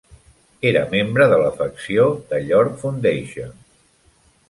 Era membre de la facció The York Foundation.